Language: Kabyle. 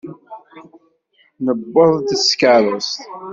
Nuweḍ-d s tkeṛṛust.